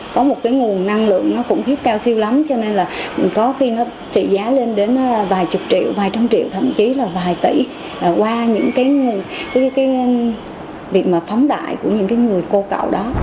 có một cái nguồn năng lượng nó cũng thiết cao siêu lắm cho nên là có khi nó trị giá lên đến vài chục triệu vài trăm triệu thậm chí là vài tỷ qua những cái việc mà phóng đại của những cái người cô cậu đó